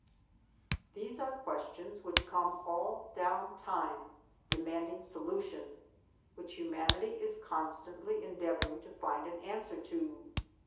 These are questions which come all down Time, demanding solution — which humanity is constantly endeavoring to find an answer to.